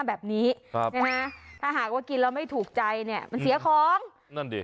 แบบนี้ครับใช่ไหมถ้าหากว่ากินแล้วไม่ถูกใจเนี่ยมันเสียของนั่นดิ